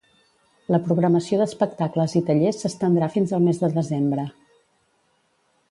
La programació d'espectacles i tallers s'estendrà fins al mes de desembre.